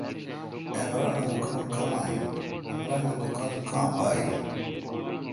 عمرانہ دکان کمااین۔۔عمران اے° دکان کاں بااین